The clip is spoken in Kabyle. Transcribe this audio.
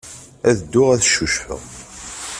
Ad dduɣ ad ccucfeɣ.